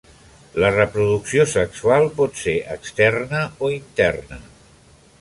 La reproducció sexual pot ser externa o interna.